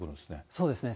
そうですね。